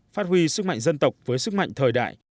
phát huy sức mạnh dân tộc với sức mạnh thời đại